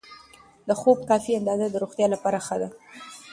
د خوب کافي اندازه د روغتیا لپاره ښه ده.